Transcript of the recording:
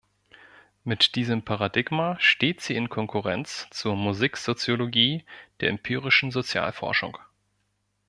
Mit diesem Paradigma steht sie in Konkurrenz zur Musiksoziologie der empirischen Sozialforschung.